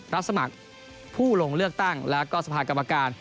รับสมัครผู้ลงเลือกตั้งแล้วก็สภากรรมการ